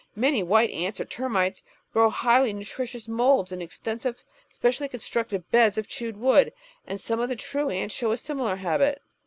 Many white ants or termites grow highly nutritious moulds in extensive, specially constructed beds of chewed wood, and some of the true ants show a similar habit.